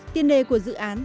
tiền đề của dự án